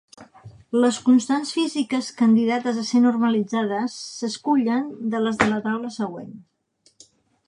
Les constants físiques candidates a ser normalitzades s'escullen de les de la taula següent.